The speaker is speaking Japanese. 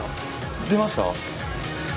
出ました？